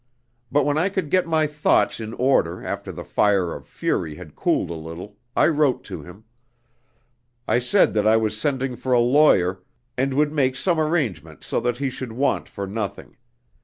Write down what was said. But when I could get my thoughts in order after the fire of fury had cooled a little, I wrote to him. I said that I was sending for a lawyer, and would make some arrangement so that he should want for nothing.